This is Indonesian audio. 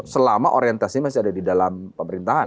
selama orientasi masih ada di dalam pemerintahan